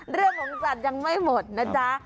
เรื่องของสัตว์ยังไม่หมดนะจ๊ะ